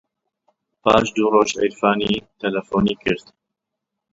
پاش دوو ڕۆژ عیرفانی تەلەفۆنی کرد.